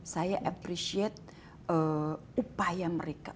saya appreciate upaya mereka